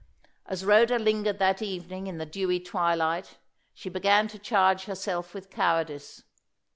As Rhoda lingered that evening in the dewy twilight, she began to charge herself with cowardice.